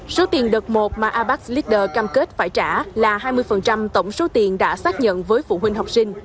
số tiền đợt một mà abax leaders cam kết phải trả là hai mươi tổng số tiền đã xác nhận với phụ huynh học sinh